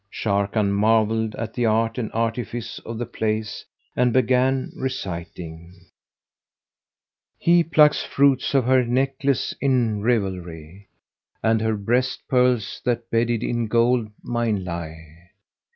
Sharrkan marvelled at the art and artifice of the place and began reciting, "He pluckt fruits of her necklace in rivalry, * And her breast pearls that bedded in gold mine lie.